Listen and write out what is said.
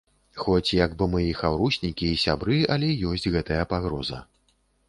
Хоць як бы мы і хаўруснікі, і сябры, але ёсць гэтая пагроза.